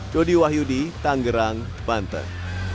dodi wahyudi tanggerang banten